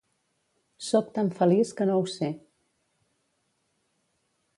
Soc tan feliç que no ho sé.